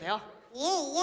いえいえ。